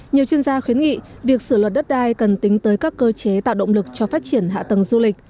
nhiều chuyên gia khuyến nghị việc sửa luật đất đai cần tính tới các cơ chế tạo động lực cho phát triển hạ tầng du lịch